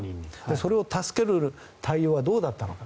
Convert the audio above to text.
それを助ける対応はどうだったのか。